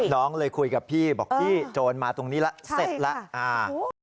น้องเลยคุยกับพี่บอกพี่โจรมาตรงนี้แล้วเสร็จแล้ว